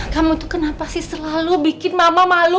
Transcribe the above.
kamu tuh kenapa sih selalu bikin mama malu